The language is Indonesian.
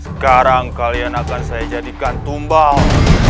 sekarang kalian akan saya jadikan tumbang